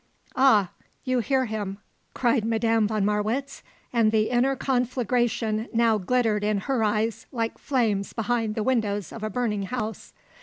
"Ah! You hear him!" cried Madame von Marwitz, and the inner conflagration now glittered in her eyes like flames behind the windows of a burning house.